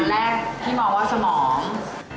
อันแรกพี่มองว่าสมอง